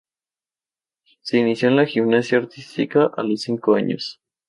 Se inició en la gimnasia artística a los cinco años.